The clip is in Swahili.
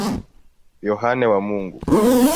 Yohane wa Mungu.